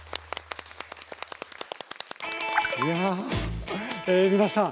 いやあ皆さん